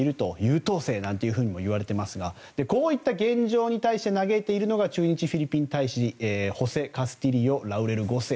優等生なんていうふうにもいわれてますがこういった現状に対して嘆いているのが駐日フィリピン大使ホセ・カスティリョ・ラウレル５世。